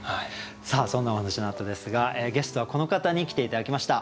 そんなお話のあとですがゲストはこの方に来て頂きました。